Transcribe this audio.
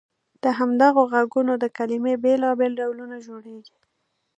له همدغو غږونو د کلمې بېلابېل ډولونه جوړیږي.